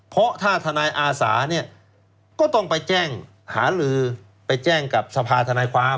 เพราะถ้าทนายอาสาเนี่ยก็ต้องไปแจ้งหาลือไปแจ้งกับสภาธนายความ